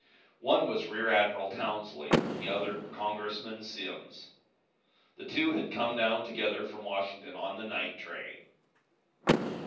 One was Rear Admiral Townsley, the other Congressman Simms. The two had come down together from Washington on the night train.